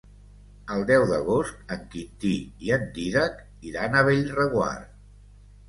El deu d'agost en Quintí i en Dídac iran a Bellreguard.